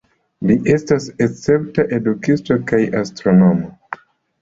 Li estas escepta edukisto kaj astronomo.